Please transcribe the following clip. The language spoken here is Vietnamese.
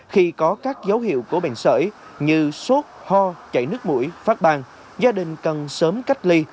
khi có các dấu hiệu của bệnh sởi như sốt ho chảy nước mũi phát bang gia đình cần sớm cách ly